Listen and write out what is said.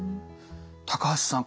高橋さん